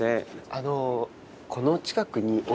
あの。